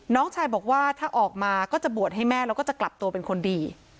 น้องชายบอกว่าถ้าออกมาก็จะบวชให้แม่แล้วก็จะกลับตัวเป็นคนดี